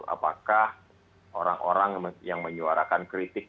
apakah orang orang yang menyuarakan kritik